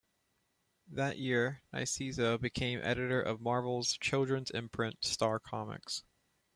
That year, Nicieza became editor of Marvel's children's imprint, Star Comics.